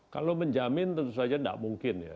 kalau menjamin tentu saja tidak mungkin ya